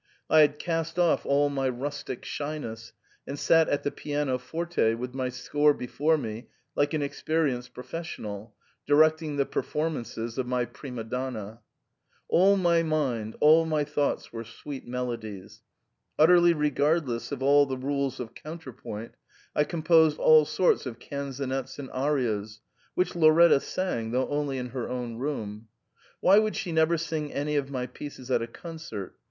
I bad cast off all my rustic shyness, and sat at the piano forte with my score before me like an experienced pro fessional, directing the performances of xny prima donna. All my mind — all my thoughts — ^were sweet melodies. Utterly regardless of all the rules of counterpoint, I composed all sorts of canzonets and arias, which Lau retta sang, though only in her own room. Why would she never sing any of my pieces at a concert